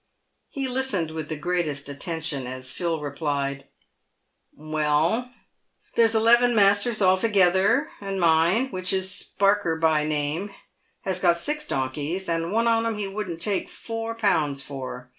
He listened with the greatest attention as Phil replied :" Well, there's eleven masters altogether, and mine — which is Sparker by name — has got six donkeys, and one on 'em he wouldn't take 4J. for.